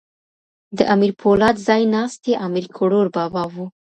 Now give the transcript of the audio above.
د امیر پولاد ځای ناستی امیر کروړ بابا وو.